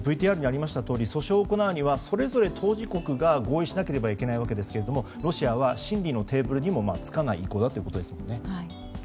ＶＴＲにありましたとおり訴訟を行うにはそれぞれ当事国が合意しなければいけないわけですがロシアは審議のテーブルにもつかない意向だということですね。